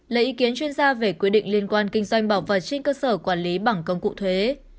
lấy ý kiến chuyên gia về quy định liên quan kinh doanh bảo vệ trên cơ sở quản lý bằng công cụ thuế